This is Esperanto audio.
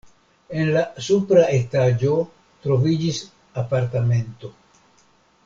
En la supra etaĝo troviĝis apartamento.